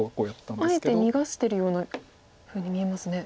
あえて逃がしてるようなふうに見えますね。